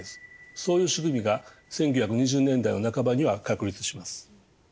そういう仕組みが１９２０年代の半ばには確立します。